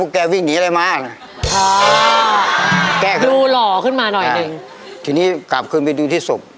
รุงวิ่งมาทำไม